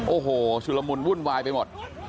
โอ้โหชุลมุนวุ่นวายไปหมด